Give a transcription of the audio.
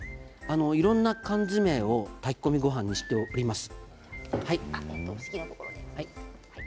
いろいろな缶詰を炊き込みごはんにして送ります。